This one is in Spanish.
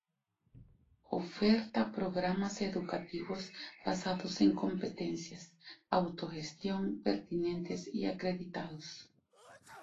Oferta programas educativos basados en competencias, autogestión, pertinentes y acreditados.